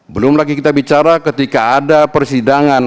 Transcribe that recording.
belum lagi kita bicara ketika ada persidangan